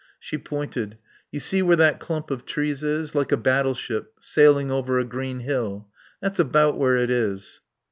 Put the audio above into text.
She pointed. "You see where that clump of trees is like a battleship, sailing over a green hill. That's about where it is."